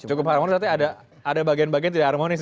cukup harmonis berarti ada bagian bagian tidak harmonis